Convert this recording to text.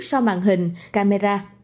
sau màn hình camera